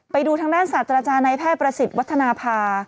ไปดูทางด้านศาสตราจารย์ในแพทย์ประสิทธิ์วัฒนภา